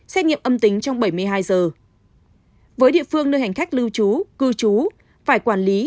xét nghiệm âm tính trong bảy mươi hai giờ với địa phương nơi hành khách lưu trú cư trú phải quản lý